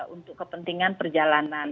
untuk kepentingan perjalanan